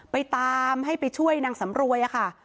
ไปตามให้ไปช่วยนางสำรวยค่ะ